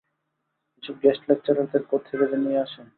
এসব গেস্ট লেকচারারদের কোত্থেকে যে নিয়ে আসে!